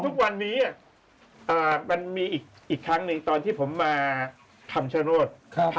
ตอนนี้มันมีอีกครั้งหนึ่งตอนผมมาทำทรงรวช